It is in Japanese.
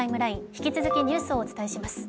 引き続きニュースをお伝えします。